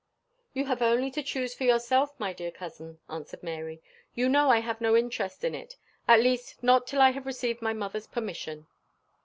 "You have only to choose for yourself, my dear cousin," answered Mary. "You know I have no interest in it at least not till I have received my mother's permission."